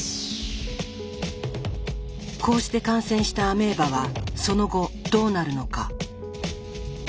こうして感染したアメーバはその後どうなるのか。